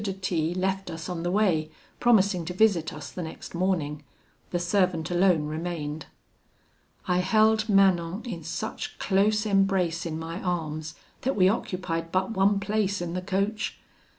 de T left us on the way, promising to visit us the next morning. The servant alone remained. "I held Manon in such close embrace in my arms, that we occupied but one place in the coach.